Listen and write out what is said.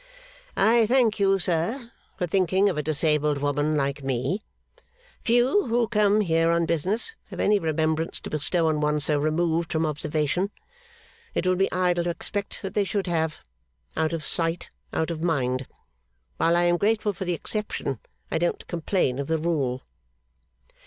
'I thank you, sir, for thinking of a disabled woman like me. Few who come here on business have any remembrance to bestow on one so removed from observation. It would be idle to expect that they should have. Out of sight, out of mind. While I am grateful for the exception, I don't complain of the rule.